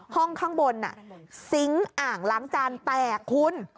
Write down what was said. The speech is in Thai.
ห้องข้างบนซิงค์อ่างล้างจานแตกคุณ